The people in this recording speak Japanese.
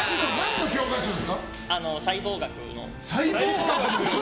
細胞学の。